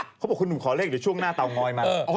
เขาบอกคุณหนุ่มขอเลขเดี๋ยวช่วงหน้าเตางอยมา